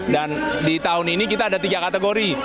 dan di tahun ini kita ada tiga kategori